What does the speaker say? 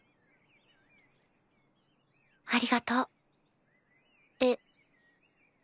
ありがとう。えっ。